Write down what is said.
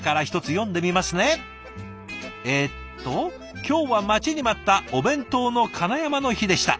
「今日は待ちに待ったお弁当のかなやまの日でした。